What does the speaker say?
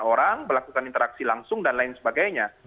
orang melakukan interaksi langsung dan lain sebagainya